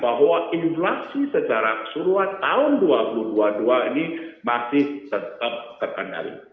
bahwa inflasi secara keseluruhan tahun dua ribu dua puluh dua ini masih tetap terkendali